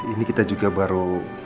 ini kita juga baru